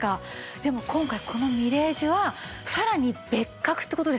でも今回このみれい珠はさらに別格って事ですよね？